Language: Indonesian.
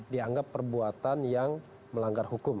dianggap perbuatan yang melanggar hukum